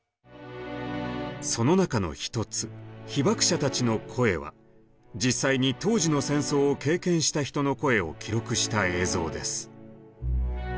その中の１つ「被爆者たちの声」は実際に当時の戦争を経験した人の声を記録した映像です。